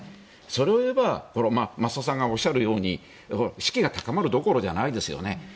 それを言えば増田さんがおっしゃるように士気が高まるどころじゃないですよね。